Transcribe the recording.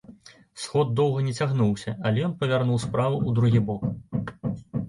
Сход доўга не цягнуўся, але ён павярнуў справу ў другі бок.